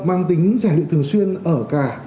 mang tính giải lựa thường xuyên ở cả